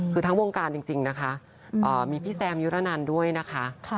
คือทั้งวงการจริงนะคะมีพี่แซมยุรนันด้วยนะคะ